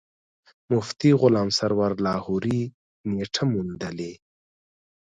مفتي غلام سرور لاهوري نېټه موندلې.